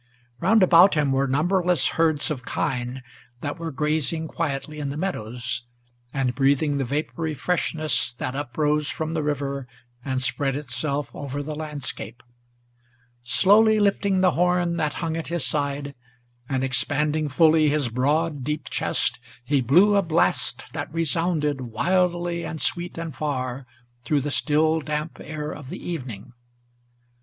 Round about him were numberless herds of kine, that were grazing Quietly in the meadows, and breathing the vapory freshness That uprose from the river, and spread itself over the landscape. Slowly lifting the horn that hung at his side, and expanding Fully his broad, deep chest, he blew a blast, that resounded Wildly and sweet and far, through the still damp air of the evening.